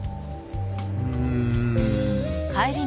うん。